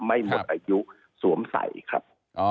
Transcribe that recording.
ไม่หมดอายุสวมใส่ครับ